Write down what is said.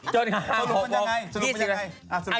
จนห้า๖โมงจนหรือมันยังไง